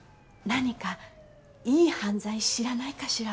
何かいい犯罪知らないかしら？